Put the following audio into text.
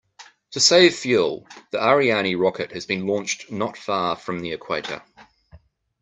To save fuel, the Ariane rocket has been launched not far from the equator.